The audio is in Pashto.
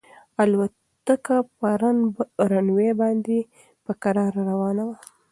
الوتکه په رن وې باندې په کراره روانه وه.